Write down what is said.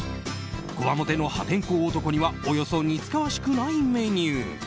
こわもての破天荒男にはおよそ似つかわしくないメニュー。